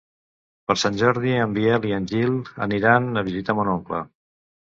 Per Sant Jordi en Biel i en Gil aniran a visitar mon oncle.